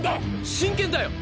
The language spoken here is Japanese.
真剣だよ！